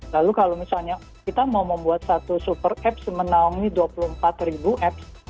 lalu kalau misalnya kita mau membuat satu super apps menaungi dua puluh empat ribu apps